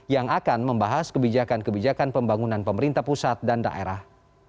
yang akan membahas kebijakan kebijakan pembangunan pemerintah pusat dan daerah